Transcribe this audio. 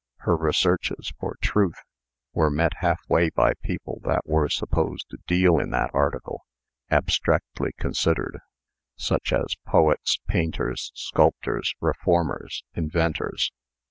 Her researches for TRUTH were met halfway by people that were supposed to deal in that article, abstractly considered; such as poets, painters, sculptors, reformers, inventors.